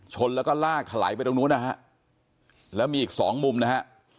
ชนแล้วก็ลากถลายไปตรงนู้นนะฮะแล้วมีอีกสองมุมนะฮะ